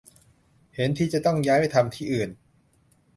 เห็นทีจะต้องย้ายไปทำที่อื่น